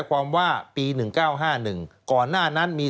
สวัสดีค่ะต้อนรับคุณบุษฎี